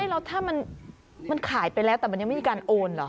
แล้วถ้ามันขายไปแล้วแต่มันยังไม่มีการโอนเหรอ